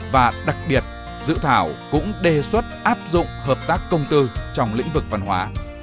và đặc biệt dự thảo cũng đề xuất áp dụng hợp tác công tư trong lĩnh vực văn hóa